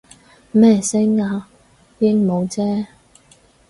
咩聲啊？鸚鵡啫